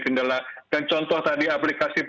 kendala dan contoh tadi aplikasi